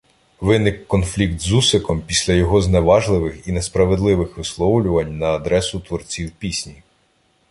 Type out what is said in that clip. виник конфлікт з Усиком після його зневажливих і несправедливих висловлювань на адресу творців пісні